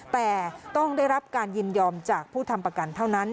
แต่ต้องได้รับการยินยอมจากผู้ทำประกันเท่านั้น